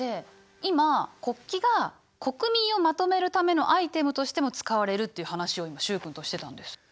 今国旗が国民をまとめるためのアイテムとしても使われるという話を今習君としてたんです。